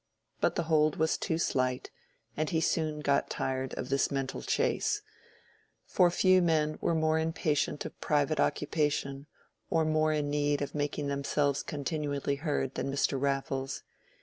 But the hold was too slight, and he soon got tired of this mental chase; for few men were more impatient of private occupation or more in need of making themselves continually heard than Mr. Raffles.